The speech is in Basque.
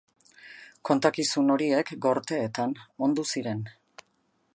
Kontakizun horiek gorteetan ondu ziren.